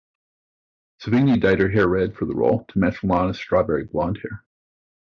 Sevigny dyed her hair red for the role to match Lana's strawberry blonde hair.